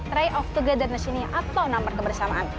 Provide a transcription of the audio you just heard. try of together nesini atau nampak kebersamaan